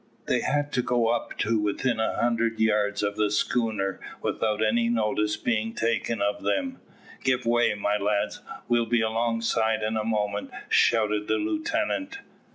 They had got up to within a hundred yards of the schooner without any notice being taken of them. "Give way, my lads; we'll be alongside in a moment," shouted the lieutenant.